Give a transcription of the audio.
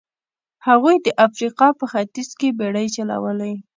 هغوی د افریقا په ختیځ کې بېړۍ چلولې.